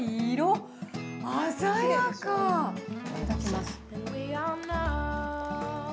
いただきます。